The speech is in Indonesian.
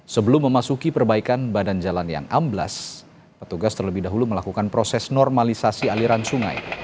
sebelum memasuki perbaikan badan jalan yang amblas petugas terlebih dahulu melakukan proses normalisasi aliran sungai